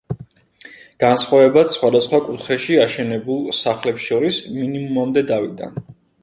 განსხვავებაც სხვადასხვა კუთხეში აშენებულ სახლებს შორის მინიმუმამდე დავიდა.